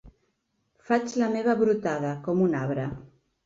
Faig la meva brotada, com un arbre.